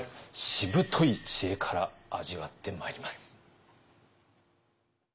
しぶとい知恵から味わってまいります。